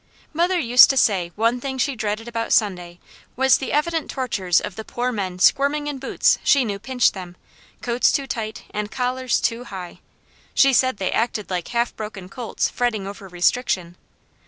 Mother used to say one thing she dreaded about Sunday was the evident tortures of the poor men squirming in boots she knew pinched them, coats too tight, and collars too high. She said they acted like half broken colts fretting over restriction.